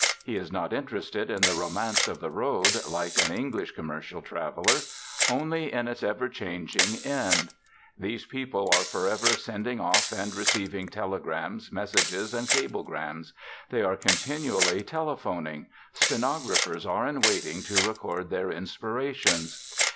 He is not interested in the romance of the road, like an English commercial traveller; only in its ever changing end. These people are for ever sending off and receiving telegrams, messages, and cablegrams; they are continually telephoning; stenographers are in waiting to record their inspirations.